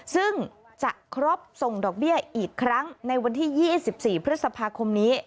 ซึ่งจะครบส่งดอกเบี้ยอีกครั้งในวันที่๒๔พฤษภาคมนี้